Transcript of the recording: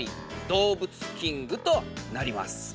動物キングとなります。